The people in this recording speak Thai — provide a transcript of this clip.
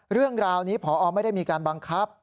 เรื่องราวนี้พอไม่ได้มีการบังคับ